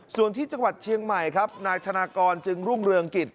ส่วนที่จังหวัดเชียงใหม่ครับนายธนากรจึงรุ่งเรืองกิจ